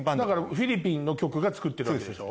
フィリピンの局が作ってるわけでしょ？